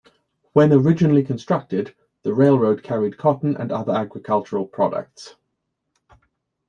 When originally constructed, the railroad carried cotton and other agricultural products.